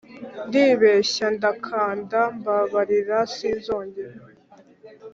ndibeshya ndakanda mbabarira sinzongera